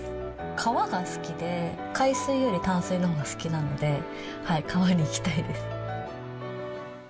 川が好きで、海水より淡水のほうが好きなので、川に行きたいです。